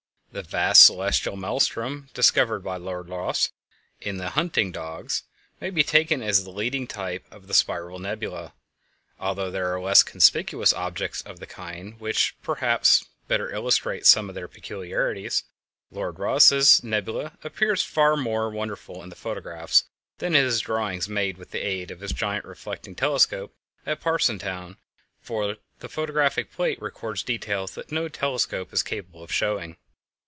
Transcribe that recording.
The vast celestial maelstrom discovered by Lord Rosse in the "Hunting Dogs" may be taken as the leading type of the spiral nebulæ, although there are less conspicuous objects of the kind which, perhaps, better illustrate some of their peculiarities. Lord Rosse's nebula appears far more wonderful in the photographs than in his drawings made with the aid of his giant reflecting telescope at Parsonstown, for the photographic plate records details that no telescope is capable of showing.